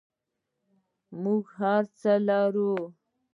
موږ هر څه لرو؟